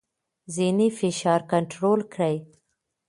ذهني فشار کنټرول کړئ.